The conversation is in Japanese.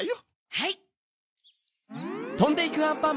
はい。